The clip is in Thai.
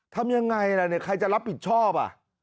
ทำยังไงล่ะเนี่ยใครจะรับผิดชอบ